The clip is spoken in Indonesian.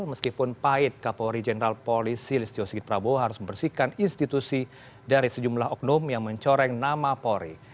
meskipun pahit kapolri jenderal polisi listio sigit prabowo harus membersihkan institusi dari sejumlah oknum yang mencoreng nama polri